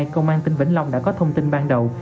công an tỉnh vĩnh long đã có thông tin ban đầu